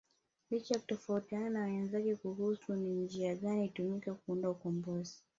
Licha ya kutofautiana na wenzake kuhusu ni njia gani itumike kuudai ukombozi